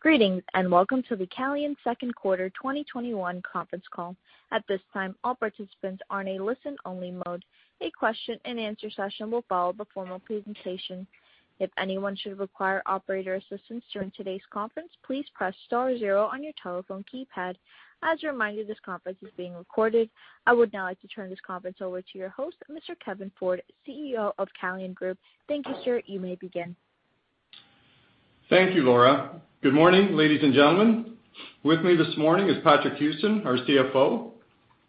Greetings, and Welcome to the Calian second quarter 2021 conference call. At this time, all participants are in a listen-only mode. A question and answer session will follow the formal presentation. If anyone should require operator assistance during today's conference, please press star zero on your telephone keypad. As a reminder, this conference is being recorded. I would now like to turn this conference over to your host, Mr. Kevin Ford, CEO of Calian Group. Thank you, sir. You may begin. Thank you, Laura. Good morning, ladies and gentlemen. With me this morning is Patrick Houston, our CFO.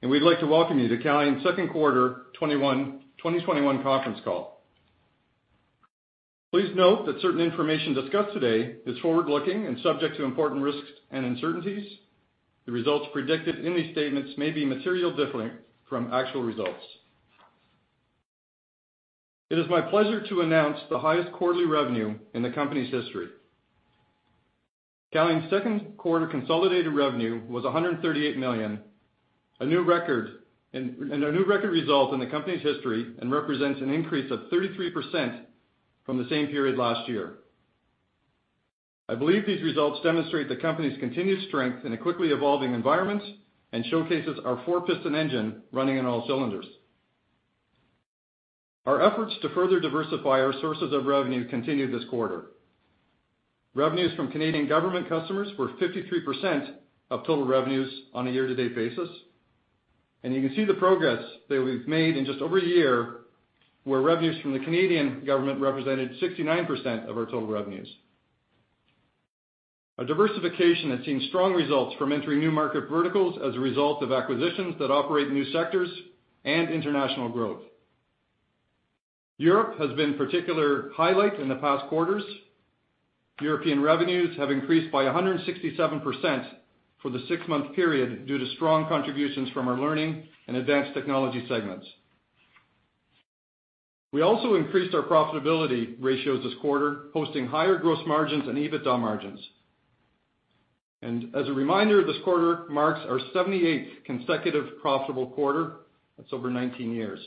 We'd like to welcome you to Calian's second quarter 2021 conference call. Please note that certain information discussed today is forward-looking and subject to important risks and uncertainties. The results predicted in these statements may be materially different from actual results. It is my pleasure to announce the highest quarterly revenue in the company's history. Calian's second quarter consolidated revenue was 138 million, a new record result in the company's history, and represents an increase of 33% from the same period last year. I believe these results demonstrate the company's continued strength in a quickly evolving environment and showcases our four-piston engine running on all cylinders. Our efforts to further diversify our sources of revenue continued this quarter. Revenues from Canadian government customers were 53% of total revenues on a year-to-date basis. You can see the progress that we've made in just over a year, where revenues from the Canadian government represented 69% of our total revenues. Our diversification has seen strong results from entering new market verticals as a result of acquisitions that operate in new sectors and international growth. Europe has been particular highlight in the past quarters. European revenues have increased by 167% for the six-month period due to strong contributions from our Learning and Advanced Technologies segments. We also increased our profitability ratios this quarter, posting higher gross margins and EBITDA margins. As a reminder, this quarter marks our 78th consecutive profitable quarter. That's over 19 years.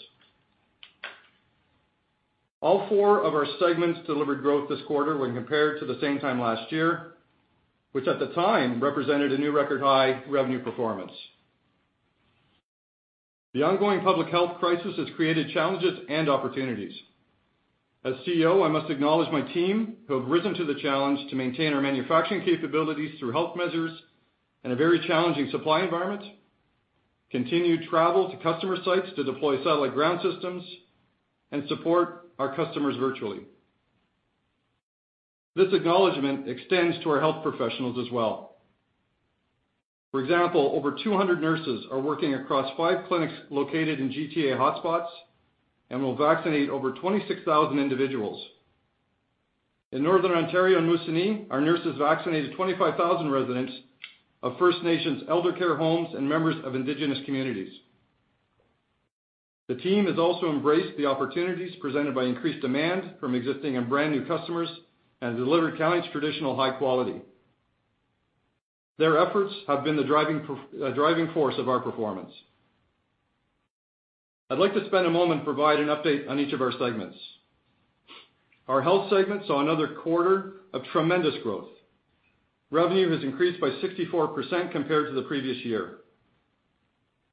All four of our segments delivered growth this quarter when compared to the same time last year, which at the time represented a new record high revenue performance. The ongoing public health crisis has created challenges and opportunities. As CEO, I must acknowledge my team who have risen to the challenge to maintain our manufacturing capabilities through health measures in a very challenging supply environment, continued travel to customer sites to deploy satellite ground systems, and support our customers virtually. This acknowledgment extends to our health professionals as well. For example, over 200 nurses are working across five clinics located in GTA hotspots and will vaccinate over 26,000 individuals. In Northern Ontario and Moosonee, our nurses vaccinated 25,000 residents of First Nations elder care homes and members of indigenous communities. The team has also embraced the opportunities presented by increased demand from existing and brand-new customers and delivered Calian's traditional high quality. Their efforts have been the driving force of our performance. I'd like to spend a moment and provide an update on each of our segments. Our health segment saw another quarter of tremendous growth. Revenue has increased by 64% compared to the previous year.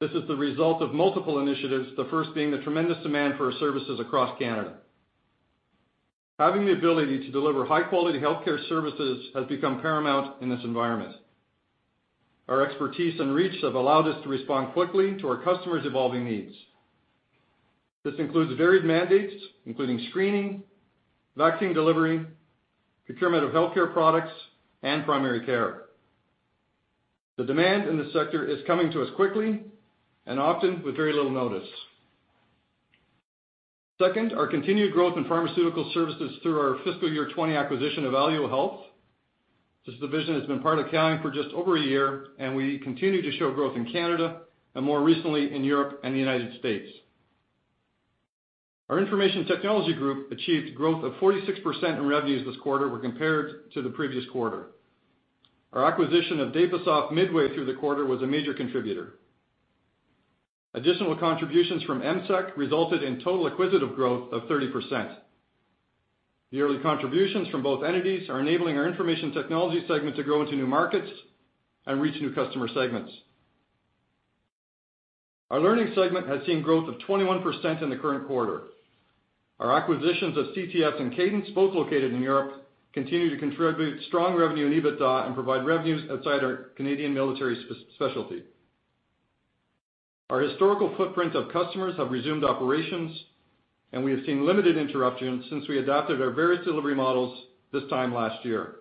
This is the result of multiple initiatives, the first being the tremendous demand for our services across Canada. Having the ability to deliver high-quality healthcare services has become paramount in this environment. Our expertise and reach have allowed us to respond quickly to our customers' evolving needs. This includes varied mandates, including screening, vaccine delivery, procurement of healthcare products, and primary care. The demand in this sector is coming to us quickly and often with very little notice. Second, our continued growth in pharmaceutical services through our fiscal year 2020 acquisition of Alio Health. This division has been part of Calian for just over a year, and we continue to show growth in Canada, and more recently, in Europe and the United States. Our information technology group achieved growth of 46% in revenues this quarter when compared to the previous quarter. Our acquisition of Dapasoft midway through the quarter was a major contributor. Additional contributions from EMSEC resulted in total acquisitive growth of 30%. The early contributions from both entities are enabling our information technology segment to grow into new markets and reach new customer segments. Our Learning segment has seen growth of 21% in the current quarter. Our acquisitions of CTS and Cadence, both located in Europe, continue to contribute strong revenue and EBITDA and provide revenues outside our Canadian military specialty. Our historical footprint of customers have resumed operations, and we have seen limited interruptions since we adapted our various delivery models this time last year.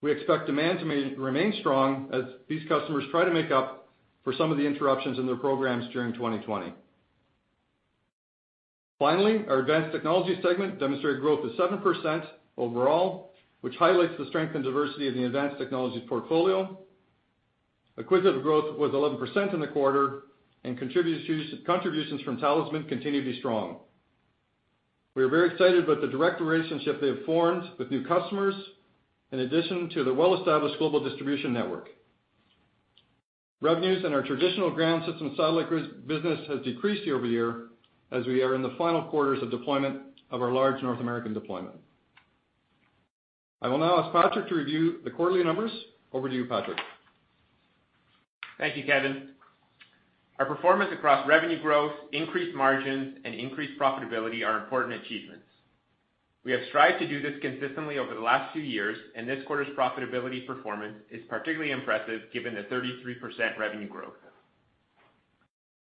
We expect demand to remain strong as these customers try to make up for some of the interruptions in their programs during 2020. Finally, our Advanced Technologies segment demonstrated growth of 7% overall, which highlights the strength and diversity of the Advanced Technologies portfolio. Acquisitive growth was 11% in the quarter and contributions from Tallysman continue to be strong. We are very excited about the direct relationship they have formed with new customers, in addition to the well-established global distribution network. Revenues in our traditional ground systems satellite business has decreased year-over-year as we are in the final quarters of deployment of our large North American deployment. I will now ask Patrick to review the quarterly numbers. Over to you, Patrick. Thank you, Kevin. Our performance across revenue growth, increased margins, and increased profitability are important achievements. We have strived to do this consistently over the last few years, and this quarter's profitability performance is particularly impressive given the 33% revenue growth.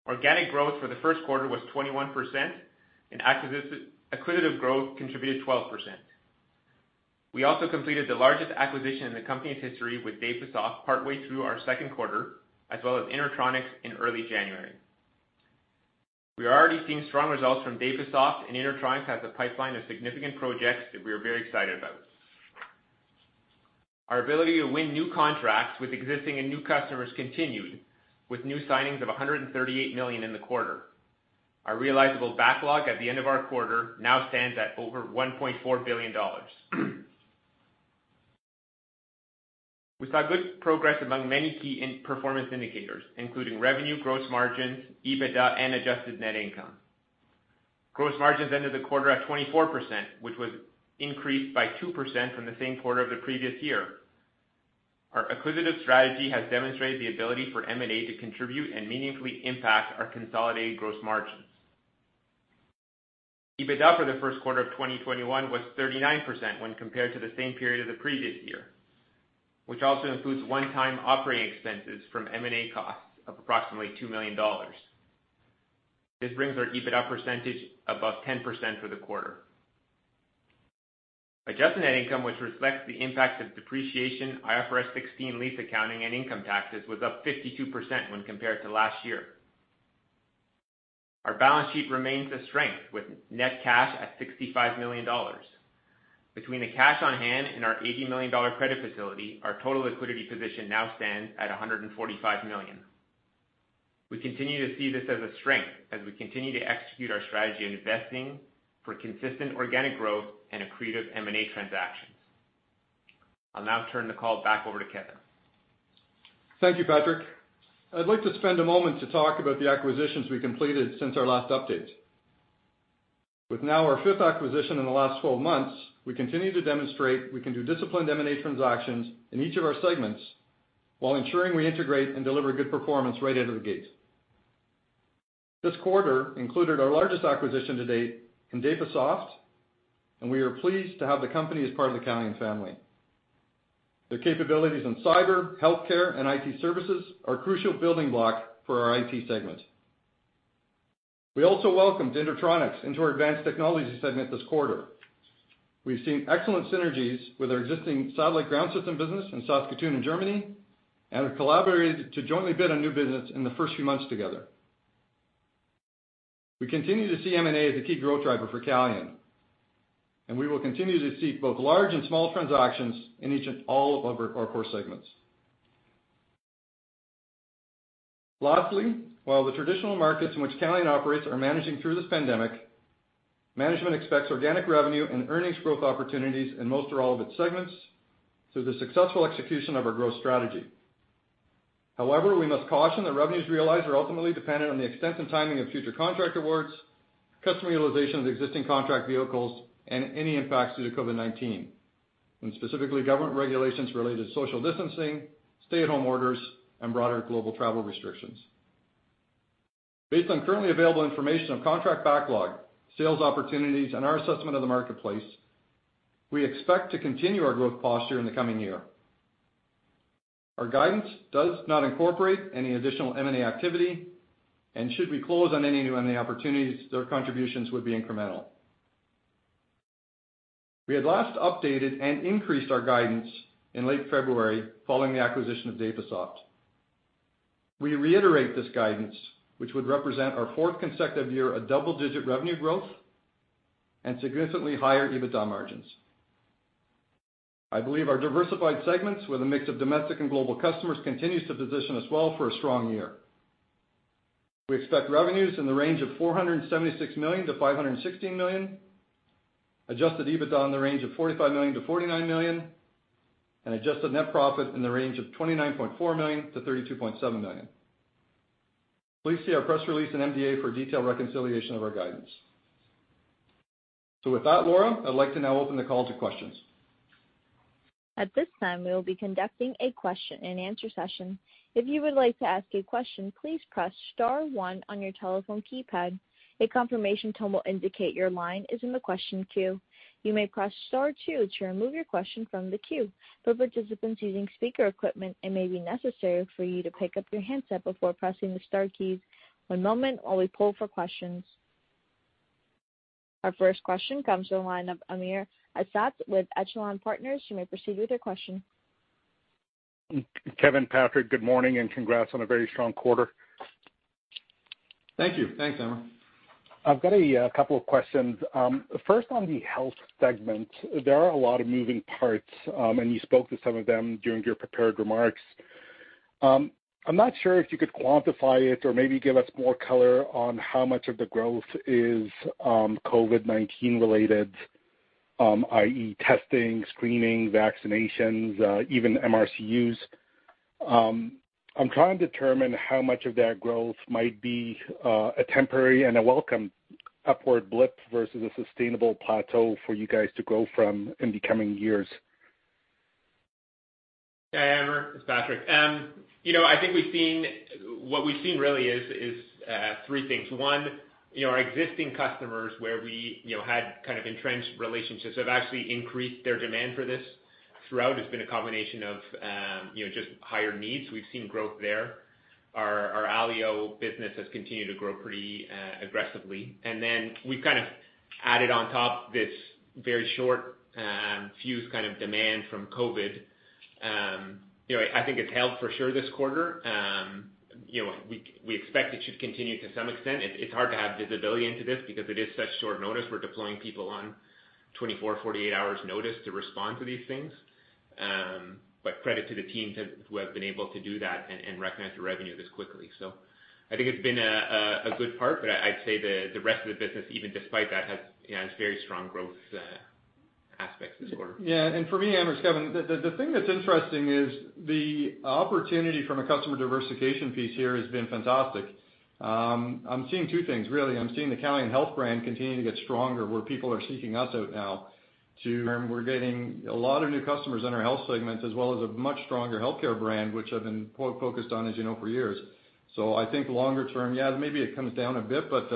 Organic growth for the first quarter was 21%, and acquisitive growth contributed 12%. We also completed the largest acquisition in the company's history with Dapasoft partway through our second quarter, as well as InterTronic in early January. We are already seeing strong results from Dapasoft and InterTronic as a pipeline of significant projects that we are very excited about. Our ability to win new contracts with existing and new customers continued, with new signings of 138 million in the quarter. Our realizable backlog at the end of our quarter now stands at over 1.4 billion dollars. We saw good progress among many key performance indicators, including revenue, gross margins, EBITDA, and adjusted net income. Gross margins ended the quarter at 24%, which was increased by 2% from the same quarter of the previous year. Our acquisitive strategy has demonstrated the ability for M&A to contribute and meaningfully impact our consolidated gross margins. EBITDA for the first quarter of 2021 was 39% when compared to the same period of the previous year, which also includes one-time operating expenses from M&A costs of approximately 2 million dollars. This brings our EBITDA percentage above 10% for the quarter. Adjusted net income, which reflects the impact of depreciation, IFRS 16 lease accounting, and income taxes, was up 52% when compared to last year. Our balance sheet remains a strength, with net cash at 65 million dollars. Between the cash on hand and our 80 million dollar credit facility, our total liquidity position now stands at 145 million. We continue to see this as a strength as we continue to execute our strategy investing for consistent organic growth and accretive M&A transactions. I'll now turn the call back over to Kevin. Thank you, Patrick. I'd like to spend a moment to talk about the acquisitions we completed since our last update. With now our fifth acquisition in the last 12 months, we continue to demonstrate we can do disciplined M&A transactions in each of our segments while ensuring we integrate and deliver good performance right out of the gate. This quarter included our largest acquisition to date in Dapasoft. We are pleased to have the company as part of the Calian family. Their capabilities in cyber, healthcare, and IT services are a crucial building block for our IT segment. We also welcomed InterTronic into our Advanced Technologies segment this quarter. We've seen excellent synergies with our existing satellite ground system business in Saskatoon and Germany. We have collaborated to jointly bid on new business in the first few months together. We continue to see M&A as a key growth driver for Calian, and we will continue to seek both large and small transactions in each and all of our core segments. Lastly, while the traditional markets in which Calian operates are managing through this pandemic, management expects organic revenue and earnings growth opportunities in most or all of its segments through the successful execution of our growth strategy. However, we must caution that revenues realized are ultimately dependent on the extent and timing of future contract awards, customer utilization of existing contract vehicles, and any impacts due to COVID-19, and specifically government regulations related to social distancing, stay-at-home orders, and broader global travel restrictions. Based on currently available information of contract backlog, sales opportunities, and our assessment of the marketplace, we expect to continue our growth posture in the coming year. Our guidance does not incorporate any additional M&A activity, and should we close on any new M&A opportunities, their contributions would be incremental. We had last updated and increased our guidance in late February following the acquisition of Dapasoft. We reiterate this guidance, which would represent our fourth consecutive year of double-digit revenue growth and significantly higher EBITDA margins. We expect revenues in the range of CAD 476 million-CAD 516 million, adjusted EBITDA in the range of CAD 45 million-CAD 49 million, and adjusted net profit in the range of CAD 29.4 million-CAD 32.7 million. Please see our press release in MDA for a detailed reconciliation of our guidance. With that, Laura, I'd like to now open the call to questions. At this time, we will be conducting a question and answer session. If you would like to ask a question, please press star one on your telephone keypad. A confirmation tone will indicate your line is in the question queue. You may press star two to remove your question from the queue. For participants using speaker equipment, it may be necessary for you to pick up your handset before pressing the star keys. One moment while we poll for questions. Our first question comes from the line of Amr Ezzat with Echelon Wealth Partners. You may proceed with your question. Kevin, Patrick, good morning, and congrats on a very strong quarter. Thank you. Thanks, Amr. I've got a couple of questions. First, on the health segment, there are a lot of moving parts, and you spoke to some of them during your prepared remarks. I'm not sure if you could quantify it or maybe give us more color on how much of the growth is COVID-19 related i.e., testing, screening, vaccinations, even MRCUs. I'm trying to determine how much of that growth might be a temporary and a welcome upward blip versus a sustainable plateau for you guys to go from in the coming years. Amr Ezzat, it's Patrick. I think what we've seen really is three things. One, our existing customers where we had kind of entrenched relationships have actually increased their demand for this throughout. It's been a combination of just higher needs. We've seen growth there. Our Alio has continued to grow pretty aggressively. We've kind of added on top this very short, fused kind of demand from COVID-19. I think it's helped for sure this quarter. We expect it should continue to some extent. It's hard to have visibility into this because it is such short notice. We're deploying people on 24, 48 hours' notice to respond to these things. Credit to the teams who have been able to do that and recognize the revenue this quickly. I think it's been a good part, but I'd say the rest of the business, even despite that, has very strong growth aspects this quarter. Yeah. For me, Amr Ezzat, it's Kevin Ford. The thing that's interesting is the opportunity from a customer diversification piece here has been fantastic. I'm seeing two things really. I'm seeing the Calian Health brand continuing to get stronger, where people are seeking us out now. We're getting a lot of new customers in our health segments, as well as a much stronger healthcare brand, which I've been focused on, as you know, for years. I think longer term, yeah, maybe it comes down a bit, but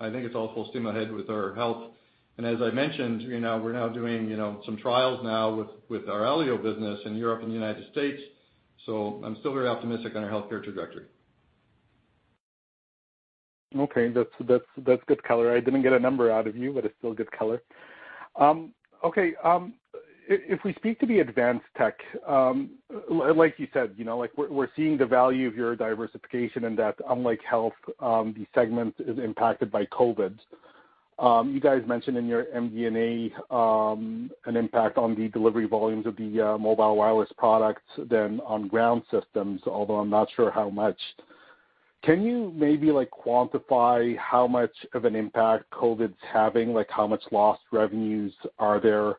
I think it's all full steam ahead with our health. As I mentioned, we're now doing some trials now with our Alio business in Europe and the United States. I'm still very optimistic on our healthcare trajectory. That's good color. I didn't get a number out of you, but it's still good color. If we speak to the Advanced Technologies, like you said, we're seeing the value of your diversification in that unlike health, the segment is impacted by COVID-19. You guys mentioned in your MD&A an impact on the delivery volumes of the mobile wireless products than on ground systems, although I'm not sure how much. Can you maybe quantify how much of an impact COVID-19's having? How much lost revenues are there?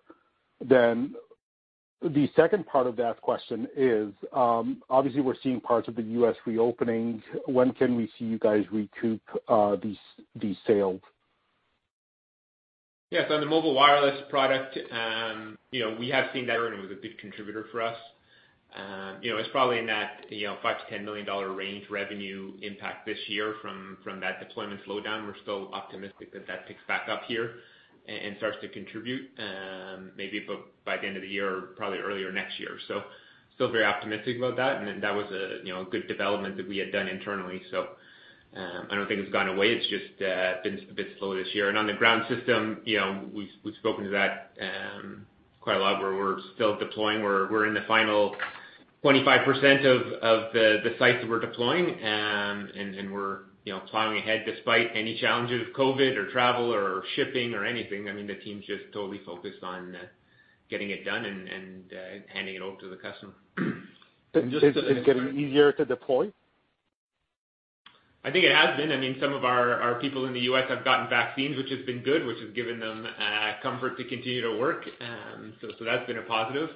The second part of that question is obviously we're seeing parts of the U.S. reopening. When can we see you guys recoup these sales? Yeah. On the mobile wireless product, we have seen that earning was a big contributor for us. It's probably in that 5 million-10 million dollar range revenue impact this year from that deployment slowdown. We're still optimistic that that picks back up here and starts to contribute, maybe by the end of the year or probably earlier next year. Still very optimistic about that. That was a good development that we had done internally. I don't think it's gone away. It's just been a bit slow this year. On the ground system, we've spoken to that quite a lot where we're still deploying. We're in the final 25% of the sites that we're deploying, and we're plowing ahead despite any challenges, COVID or travel or shipping or anything. I mean, the team's just totally focused on getting it done and handing it over to the customer. Just to be clear. Is it getting easier to deploy? I think it has been. Some of our people in the U.S. have gotten vaccines, which has been good, which has given them comfort to continue to work. That's been a positive.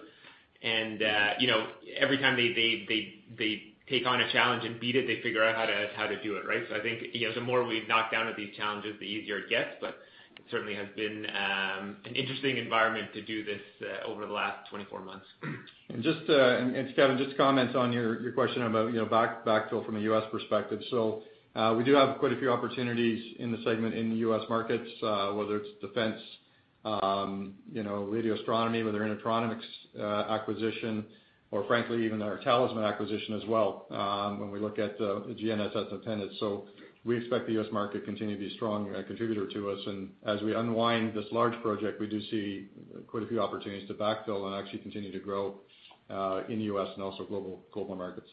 Every time they take on a challenge and beat it, they figure out how to do it, right? I think, the more we knock down at these challenges, the easier it gets. It certainly has been an interesting environment to do this over the last 24 months. Its Kevin, just to comment on your question about backfill from a U.S. perspective. We do have quite a few opportunities in the segment in the U.S. markets, whether it's defense, radio astronomy, whether InterTronic acquisition, or frankly, even our Tallysman acquisition as well, when we look at the GNSS antennas. We expect the U.S. market to continue to be a strong contributor to us. As we unwind this large project, we do see quite a few opportunities to backfill and actually continue to grow in the U.S. and also global markets.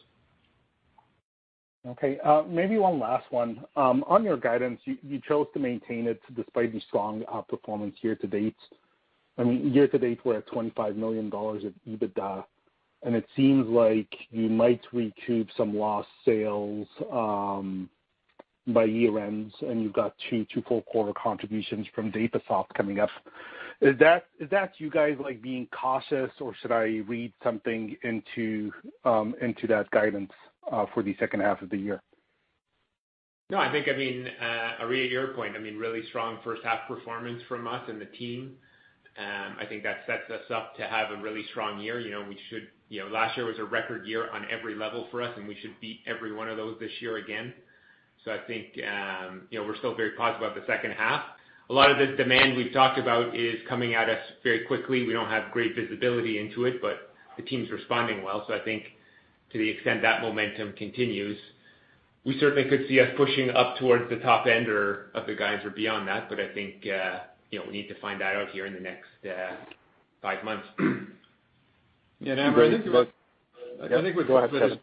Okay. Maybe one last one. On your guidance, you chose to maintain it despite the strong outperformance year to date. Year to date, we're at 25 million dollars of EBITDA, and it seems like you might recoup some lost sales by year-end, and you've got two full quarter contributions from Dapasoft coming up. Is that you guys being cautious, or should I read something into that guidance for the second half of the year? I think, Amr Ezzat, to your point, really strong first half performance from us and the team. I think that sets us up to have a really strong year. Last year was a record year on every level for us, we should beat every one of those this year again. I think we're still very positive about the second half. A lot of this demand we've talked about is coming at us very quickly. We don't have great visibility into it, the team's responding well. I think to the extent that momentum continues, we certainly could see us pushing up towards the top end or of the guides or beyond that. I think we need to find that out here in the next five months. Yeah, Amr Ezzat, Go ahead, Kevin.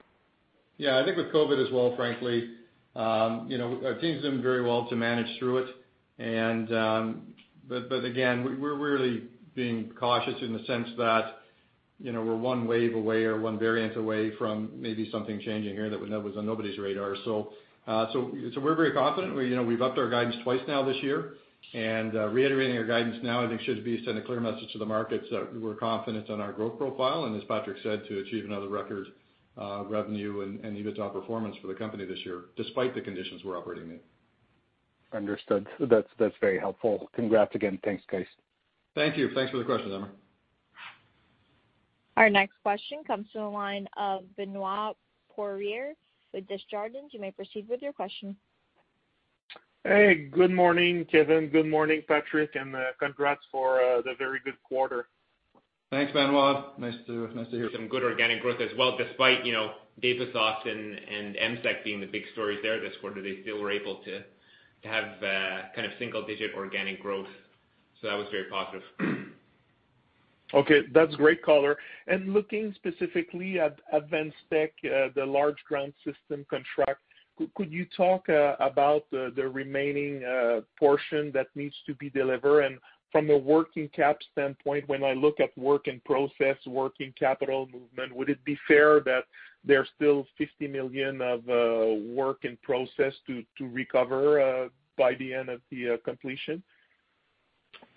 Yeah, I think with COVID as well, frankly, our team's doing very well to manage through it. Again, we're really being cautious in the sense that. We're one wave away or one variant away from maybe something changing here that was on nobody's radar. We're very confident. We've upped our guidance twice now this year, and reiterating our guidance now, I think should send a clear message to the markets that we're confident on our growth profile, and as Patrick said, to achieve another record revenue and EBITDA performance for the company this year, despite the conditions we're operating in. Understood. That's very helpful. Congrats again. Thanks, guys. Thank you. Thanks for the question, Amz Ezzat. Our next question comes from the line of Benoit Poirier with Desjardins Securities. You may proceed with your question. Hey, good morning, Kevin. Good morning, Patrick, and congrats for the very good quarter. Thanks, Benoit. Nice to hear. Some good organic growth as well, despite Dapasoft and EMSEC being the big stories there this quarter. They still were able to have single-digit organic growth. That was very positive. Okay. That's great color. Looking specifically at Advanced Technologies, the large ground system contract, could you talk about the remaining portion that needs to be delivered? From a working cap standpoint, when I look at work in process, working capital movement, would it be fair that there's still 50 million of work in process to recover by the end of the completion?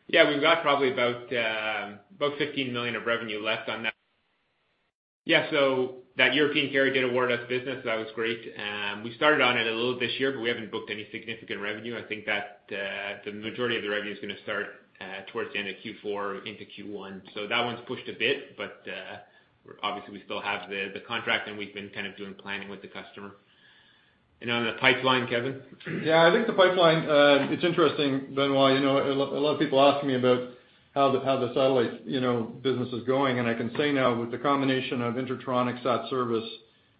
Yeah, we've got probably about 15 million of revenue left on that. Yeah, that European carrier did award us business. That was great. We started on it a little this year, but we haven't booked any significant revenue. I think that the majority of the revenue is going to start towards the end of Q4 into Q1. That one's pushed a bit, but obviously, we still have the contract, and we've been doing planning with the customer. On the pipeline, Kevin? I think the pipeline, it's interesting, Benoit. A lot of people ask me about how the satellite business is going, I can say now with the combination of InterTronic, SatService GmbH,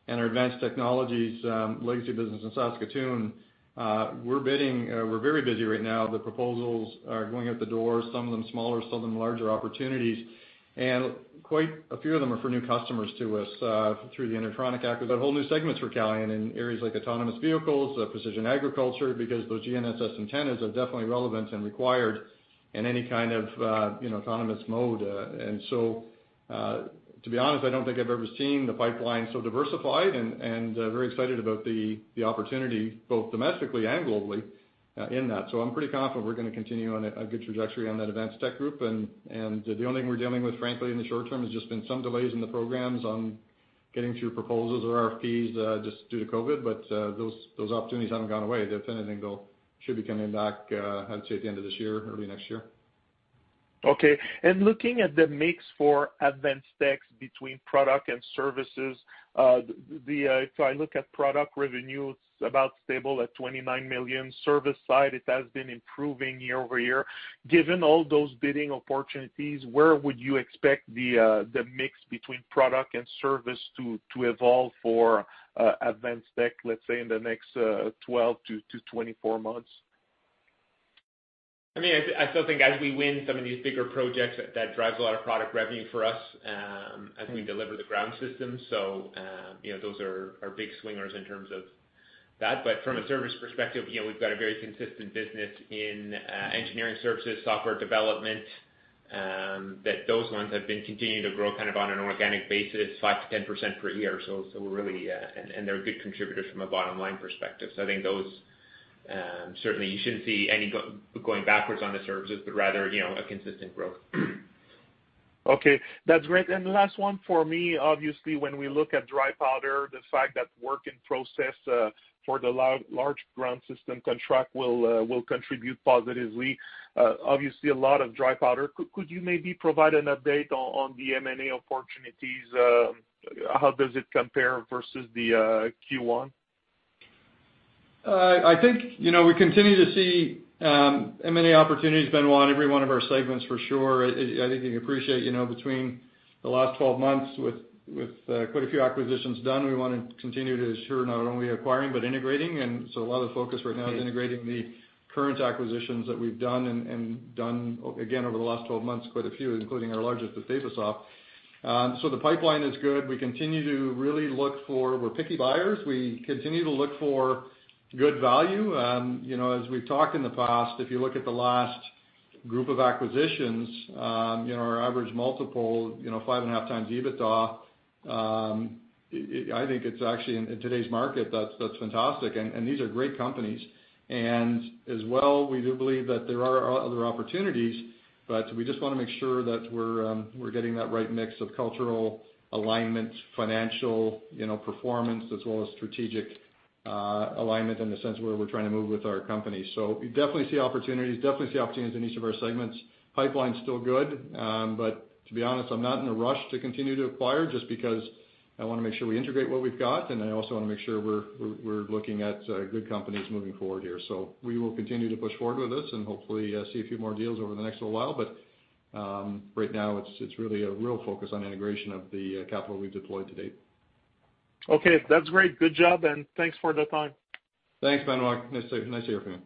and our Advanced Technologies legacy business in Saskatoon, we're very busy right now. The proposals are going out the door, some of them smaller, some of them larger opportunities. Quite a few of them are for new customers to us through the InterTronic acquisition. A whole new segment for Calian in areas like autonomous vehicles, precision agriculture, because those GNSS antennas are definitely relevant and required in any kind of autonomous mode. To be honest, I don't think I've ever seen the pipeline so diversified and very excited about the opportunity, both domestically and globally in that. I'm pretty confident we're going to continue on a good trajectory on that Advanced Technologies group, and the only thing we're dealing with, frankly, in the short term has just been some delays in the programs on getting through proposals or RFPs, just due to COVID-19, but those opportunities haven't gone away. They're planning to go, should be coming back, I'd say at the end of this year, early next year. Okay. Looking at the mix for Advanced Technologies between product and services, if I look at product revenue, it's about stable at 29 million. Service side, it has been improving year-over-year. Given all those bidding opportunities, where would you expect the mix between product and service to evolve for Advanced Technologies, let's say in the next 12-24 months? I still think as we win some of these bigger projects, that drives a lot of product revenue for us as we deliver the ground system. Those are our big swingers in terms of that. From a service perspective, we've got a very consistent business in engineering services, software development, that those ones have been continuing to grow on an organic basis, 5%-10% per year. They're good contributors from a bottom-line perspective. I think those, certainly you shouldn't see any going backwards on the services, but rather, a consistent growth. Okay. That's great. Last one for me. Obviously, when we look at dry powder, the fact that work in process for the large ground system contract will contribute positively. Obviously, a lot of dry powder. Could you maybe provide an update on the M&A opportunities? How does it compare versus the Q1? I think, we continue to see M&A opportunities, Benoit, in every one of our segments for sure. I think you appreciate, between the last 12 months with quite a few acquisitions done, we want to continue to ensure not only acquiring but integrating. A lot of the focus right now is integrating the current acquisitions that we've done, again, over the last 12 months, quite a few, including our largest with Dapasoft. The pipeline is good. We're picky buyers. We continue to look for good value. As we've talked in the past, if you look at the last group of acquisitions, our average multiple, 5.5x EBITDA. I think it's actually in today's market, that's fantastic and these are great companies. As well, we do believe that there are other opportunities, but we just want to make sure that we're getting that right mix of cultural alignment, financial performance, as well as strategic alignment in the sense where we're trying to move with our company. We definitely see opportunities in each of our segments. Pipeline's still good, but to be honest, I'm not in a rush to continue to acquire just because I want to make sure we integrate what we've got, and I also want to make sure we're looking at good companies moving forward here. We will continue to push forward with this and hopefully see a few more deals over the next little while. Right now, it's really a real focus on integration of the capital we've deployed to date. Okay. That's great. Good job, and thanks for the time. Thanks, Benoit. Nice to hear from you.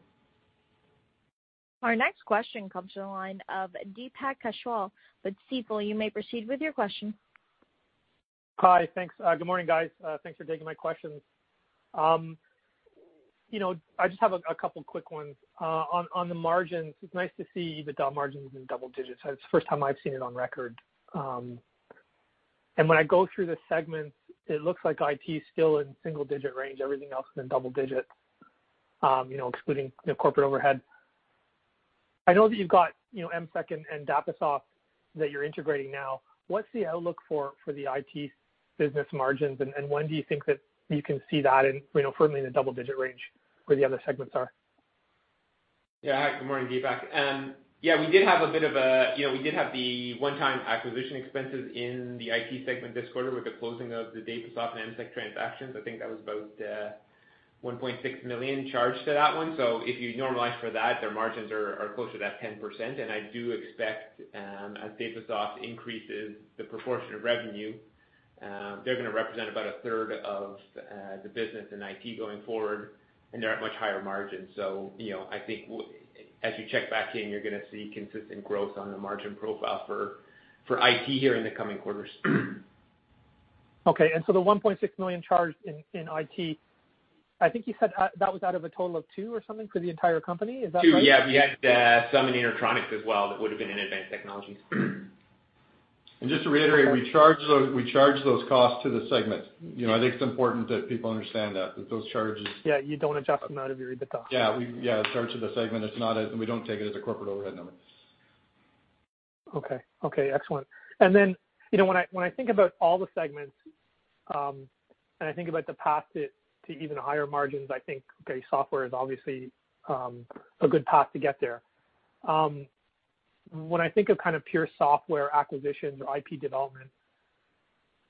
Our next question comes from the line of Deepak Kaushal with Stifel. You may proceed with your question. Hi. Thanks. Good morning, guys. Thanks for taking my questions. I just have a couple quick ones. On the margins, it's nice to see the dollar margins in double digits. It's the first time I've seen it on record. When I go through the segments, it looks like IT is still in single-digit range. Everything else is in double digits, excluding corporate overhead. I know that you've got EMSEC and Dapasoft that you're integrating now. What's the outlook for the IT business margins, and when do you think that you can see that firmly in the double-digit range where the other segments are? Hi, good morning, Deepak. We did have the one-time acquisition expenses in the IT segment this quarter with the closing of the Dapasoft and EMSEC transactions. That was about 1.6 million charged to that one. If you normalize for that, their margins are closer to that 10%. I do expect, as Dapasoft increases the proportion of revenue, they're going to represent about a third of the business in IT going forward, and they're at much higher margins. As you check back in, you're going to see consistent growth on the margin profile for IT here in the coming quarters. Okay. The 1.6 million charged in IT, I think you said that was out of a total of two or something for the entire company. Is that right? Two, yeah. We had some in InterTronic as well that would have been in Advanced Technologies. Just to reiterate, we charge those costs to the segment. I think it's important that people understand that. Yeah, you don't adjust them out of your EBITDA. Yeah. It's charged to the segment. We don't take it as a corporate overhead number. Okay. Excellent. When I think about all the segments, and I think about the path to even higher margins, I think, okay, software is obviously a good path to get there. When I think of pure software acquisitions or IP development,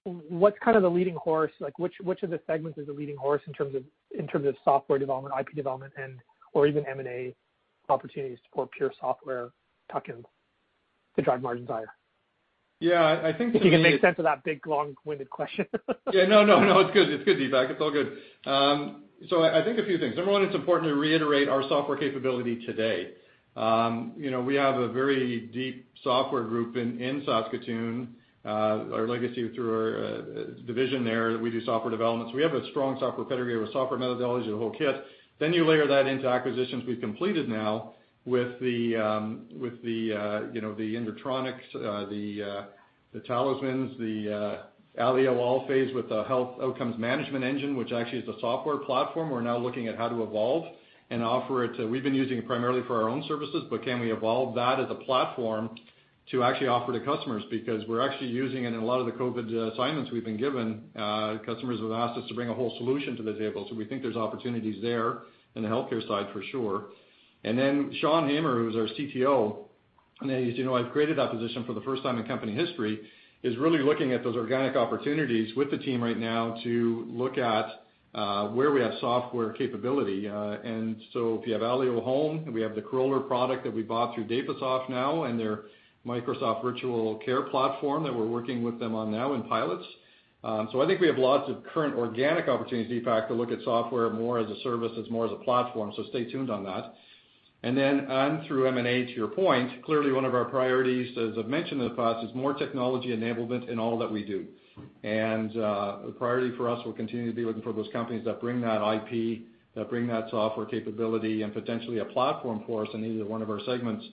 what's the leading horse? Which of the segments is the leading horse in terms of software development, IP development, or even M&A opportunities for pure software tuck-ins to drive margins higher? Yeah, I think the-. If you can make sense of that big, long-winded question. Yeah. No, it's good. It's good, Deepak. It's all good. I think a few things. Number one, it's important to reiterate our software capability today. We have a very deep software group in Saskatoon. Our legacy through our division there that we do software development. We have a strong software pedigree with software methodologies and the whole kit. You layer that into acquisitions we've completed now with the InterTronic, the Tallysman Wireless Inc., the Alio/Allphase with the health outcomes management engine, which actually is a software platform we're now looking at how to evolve and offer it. We've been using it primarily for our own services. Can we evolve that as a platform to actually offer to customers? We're actually using it in a lot of the COVID-19 assignments we've been given. Customers have asked us to bring a whole solution to the table. We think there's opportunities there in the healthcare side for sure. Seann Hamer, who's our CTO, as you know, I've created that position for the first time in company history, is really looking at those organic opportunities with the team right now to look at where we have software capability. If you have Alio Health, we have the Corolar product that we bought through Dapasoft now and their Microsoft Virtual Care platform that we're working with them on now in pilots. I think we have lots of current organic opportunities, Deepak, to look at software more as a service, as more as a platform. Stay tuned on that. On through M&A, to your point, clearly one of our priorities, as I've mentioned in the past, is more technology enablement in all that we do. A priority for us will continue to be looking for those companies that bring that IP, that bring that software capability and potentially a platform for us in either one of our segments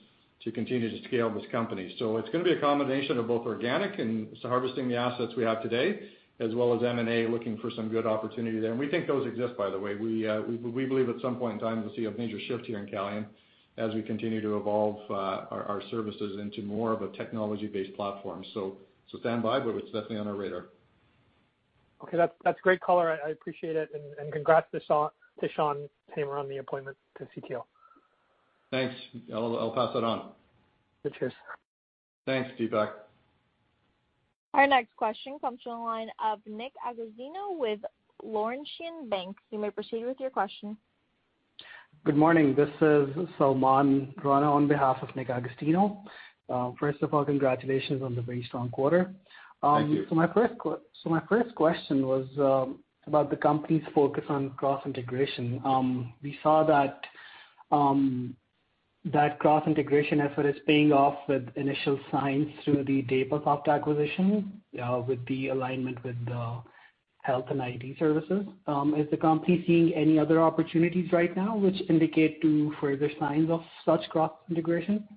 to continue to scale this company. It's going to be a combination of both organic and harvesting the assets we have today, as well as M&A looking for some good opportunity there. We think those exist, by the way. We believe at some point in time, we'll see a major shift here in Calian as we continue to evolve our services into more of a technology-based platform. Stand by, but it's definitely on our radar. Okay. That's a great color. I appreciate it. Congrats to Seann Hamer on the appointment to CTO. Thanks. I'll pass it on. Cheers. Thanks, Deepak. Our next question comes from the line of Nick Agostino with Laurentian Bank. You may proceed with your question. Good morning. This is Salman Rana on behalf of Nick Agostino. First of all, congratulations on the very strong quarter. Thank you. My first question was about the company's focus on cross-integration. We saw that cross-integration effort is paying off with initial signs through the Dapasoft acquisition, with the alignment with the health and IT services. Is the company seeing any other opportunities right now which indicate to further signs of such cross-integration?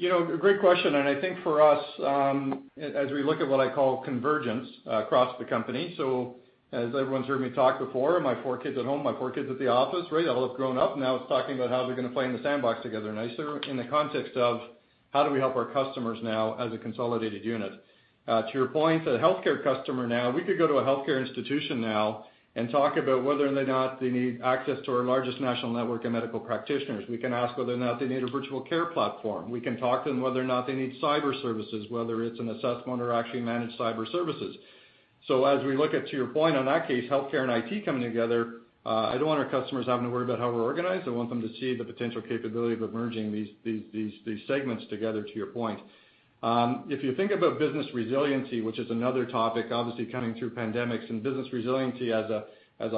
Great question. I think for us, as we look at what I call convergence across the company, as everyone's heard me talk before, my four kids at home, my four kids at the office, right? They've all grown up. Now it's talking about how they're going to play in the sandbox together nicely in the context of how do we help our customers now as a consolidated unit? To your point, the healthcare customer now, we could go to a healthcare institution now and talk about whether or not they need access to our largest national network of medical practitioners. We can ask whether or not they need a Virtual Care platform. We can talk to them whether or not they need cyber services, whether it's an assessment or actually managed cyber services. As we look at, to your point on that case, healthcare and IT coming together, I don't want our customers having to worry about how we're organized. I want them to see the potential capability of merging these segments together, to your point. If you think about business resiliency, which is another topic, obviously coming through pandemics and business resiliency as a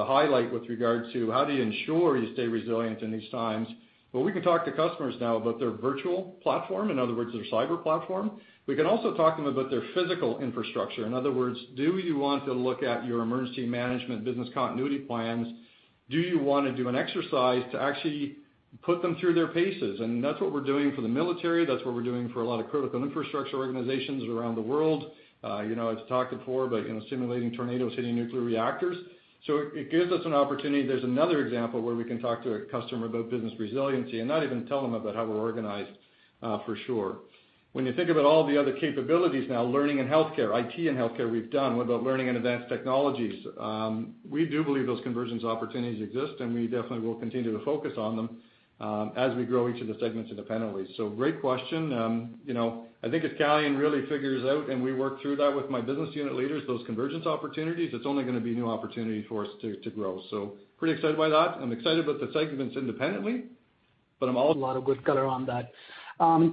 highlight with regard to how do you ensure you stay resilient in these times? Well, we can talk to customers now about their virtual platform, in other words, their cyber platform. We can also talk to them about their physical infrastructure. In other words, do you want to look at your emergency management business continuity plans? Do you want to do an exercise to put them through their paces, and that's what we're doing for the military, that's what we're doing for a lot of critical infrastructure organizations around the world. I've talked before about simulating tornadoes hitting nuclear reactors. It gives us an opportunity. There's another example where we can talk to a customer about business resiliency and not even tell them about how we're organized, for sure. When you think about all the other capabilities now, learning and healthcare, IT and healthcare we've done, what about Learning and Advanced Technologies? We do believe those convergence opportunities exist, and we definitely will continue to focus on them as we grow each of the segments independently. Great question. I think as Calian really figures out and we work through that with my business unit leaders, those convergence opportunities, it's only going to be new opportunity for us to grow. Pretty excited by that. A lot of good color on that.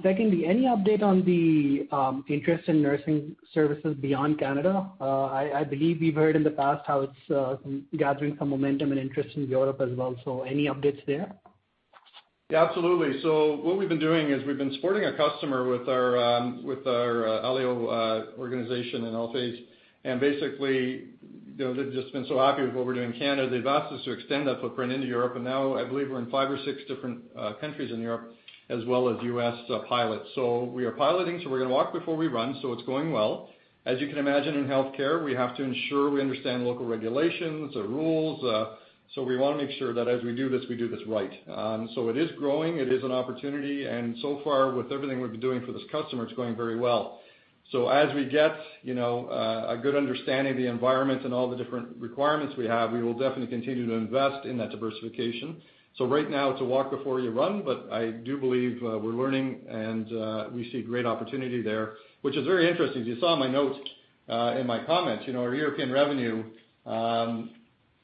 Secondly, any update on the interest in nursing services beyond Canada? I believe we've heard in the past how it's gathering some momentum and interest in Europe as well. Any updates there? Yeah, absolutely. What we've been doing is we've been supporting a customer with our Alio organization and Allphase. Basically, they've just been so happy with what we're doing in Canada, they've asked us to extend that footprint into Europe, and now I believe we're in five or six different countries in Europe as well as U.S. pilots. We are piloting, we're going to walk before we run, it's going well. As you can imagine, in healthcare, we have to ensure we understand local regulations or rules. We want to make sure that as we do this, we do this right. It is growing, it is an opportunity, and so far with everything we've been doing for this customer, it's going very well. As we get a good understanding of the environment and all the different requirements we have, we will definitely continue to invest in that diversification. Right now it's a walk before you run, but I do believe we're learning and we see great opportunity there, which is very interesting. As you saw in my notes, in my comments, our European revenue,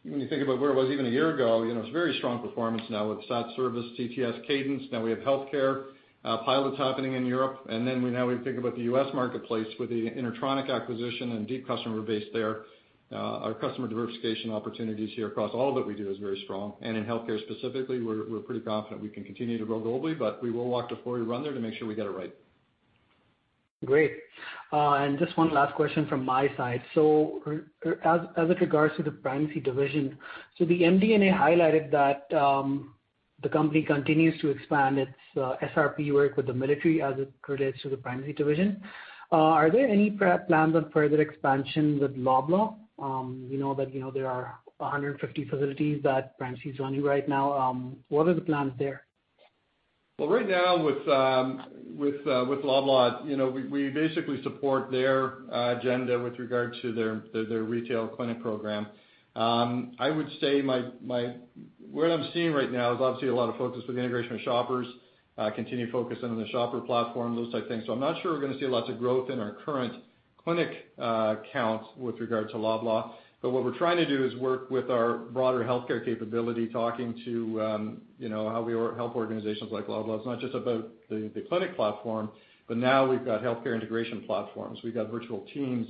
when you think about where it was even a year ago, it's very strong performance now with SatService, CTS, Cadence. We have healthcare pilots happening in Europe. We think about the U.S. marketplace with the InterTronic acquisition and deep customer base there. Our customer diversification opportunities here across all that we do is very strong. In healthcare specifically, we're pretty confident we can continue to grow globally, but we will walk before we run there to make sure we get it right. Great. Just one last question from my side. As it regards to the Primacy division, the MD&A highlighted that the company continues to expand its SRP work with the military as it relates to the Primacy division. Are there any plans on further expansion with Loblaw Companies Limited? We know that there are 150 facilities that Primacy is running right now. What are the plans there? Well, right now with Loblaw, we basically support their agenda with regard to their retail clinic program. I would say what I'm seeing right now is obviously a lot of focus with the integration of Shoppers, continued focus in on the Shopper platform, those type things. I'm not sure we're going to see lots of growth in our current clinic count with regard to Loblaw. What we're trying to do is work with our broader healthcare capability, talking to how we help organizations like Loblaw. It's not just about the clinic platform, but now we've got healthcare integration platforms. We've got virtual teams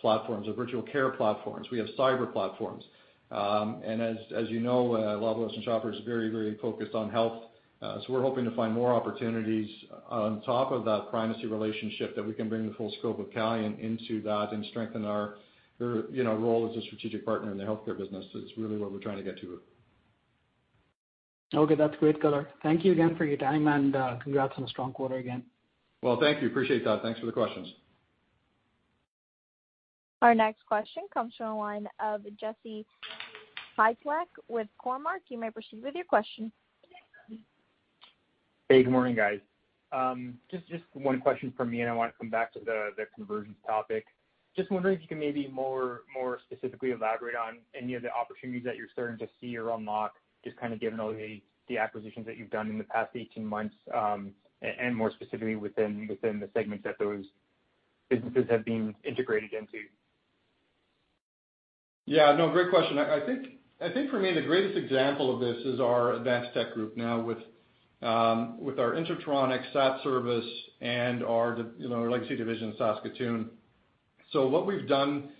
platforms or virtual care platforms. We have cyber platforms. As you know, Loblaw and Shoppers Drug Mart are very, very focused on health. We're hoping to find more opportunities on top of that Primacy relationship that we can bring the full scope of Calian into that and strengthen our role as a strategic partner in the healthcare business is really what we're trying to get to. Okay. That's great color. Thank you again for your time, and congrats on a strong quarter again. Well, thank you. Appreciate that. Thanks for the questions. Our next question comes from the line of Jesse Pytlak with Cormark Securities. You may proceed with your question. Hey, good morning, guys. Just one question from me, and I want to come back to the convergence topic. Just wondering if you can maybe more specifically elaborate on any of the opportunities that you're starting to see or unlock, just given all the acquisitions that you've done in the past 18 months, and more specifically within the segments that those businesses have been integrated into. Yeah, no, great question. I think for me, the greatest example of this is our Advanced Technologies group now with our InterTronic, SatService, and our legacy division in Saskatoon. What we've done,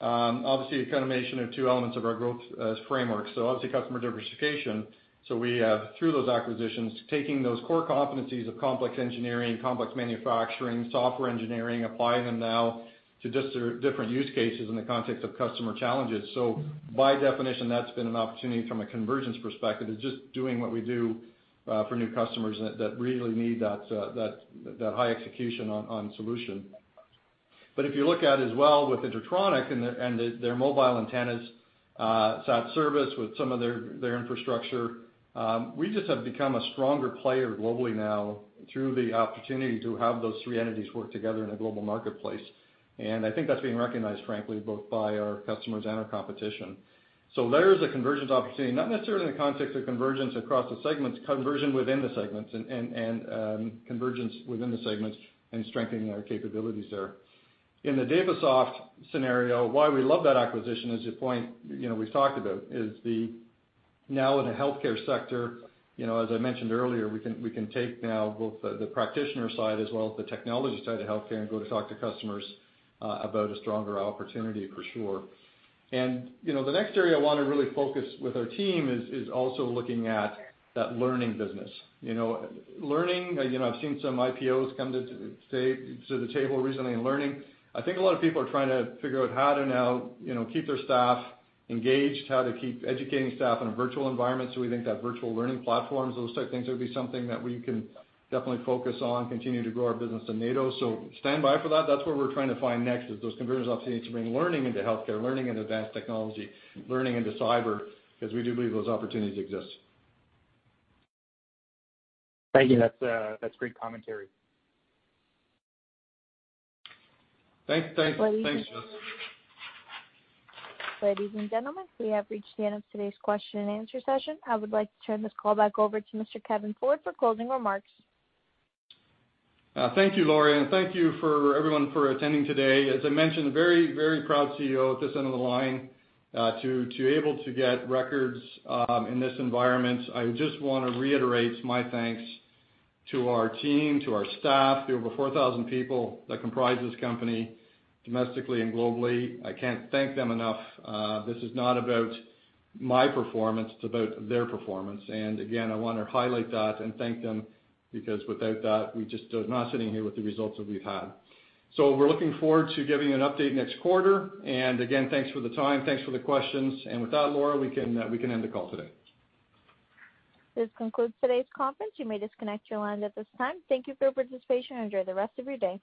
obviously a combination of two elements of our growth framework. Obviously customer diversification. We have, through those acquisitions, taking those core competencies of complex engineering, complex manufacturing, software engineering, applying them now to different use cases in the context of customer challenges. By definition, that's been an opportunity from a convergence perspective, is just doing what we do for new customers that really need that high execution on solution. If you look at as well with InterTronic and their mobile antennas, SatService with some of their infrastructure, we just have become a stronger player globally now through the opportunity to have those three entities work together in a global marketplace. I think that's being recognized, frankly, both by our customers and our competition. There is a convergence opportunity, not necessarily in the context of convergence across the segments, convergence within the segments and strengthening our capabilities there. In the Dapasoft scenario, why we love that acquisition is the point we've talked about, is the now in a healthcare sector, as I mentioned earlier, we can take now both the practitioner side as well as the technology side of healthcare and go to talk to customers about a stronger opportunity for sure. The next area I want to really focus with our team is also looking at that Learning business. Learning, I've seen some IPOs come to the table recently in Learning. I think a lot of people are trying to figure out how to now keep their staff engaged, how to keep educating staff in a virtual environment. We think that virtual learning platforms, those type things, would be something that we can definitely focus on, continue to grow our business in NATO. Stand by for that. That's where we're trying to find next is those convergence opportunities to bring learning into healthcare, learning into advanced technology, learning into cyber, because we do believe those opportunities exist. Thank you. That's great commentary. Thanks, Jesse. Ladies and gentlemen, we have reached the end of today's question and answer session. I would like to turn this call back over to Mr. Kevin Ford for closing remarks. Thank you, Laura, and thank you for everyone for attending today. As I mentioned, very, very proud CEO at this end of the line to able to get records in this environment. I just want to reiterate my thanks to our team, to our staff, the over 4,000 people that comprise this company domestically and globally. I can't thank them enough. This is not about my performance, it's about their performance. Again, I want to highlight that and thank them because without that, we're just not sitting here with the results that we've had. We're looking forward to giving you an update next quarter. Again, thanks for the time. Thanks for the questions. With that, Laura, we can end the call today. This concludes today's conference. You may disconnect your lines at this time. Thank you for your participation. Enjoy the rest of your day.